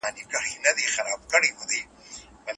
په کتابونو کې باید مصور مواد شامل وي.